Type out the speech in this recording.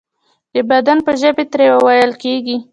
د بدن په ژبې ترې ویل کیږي.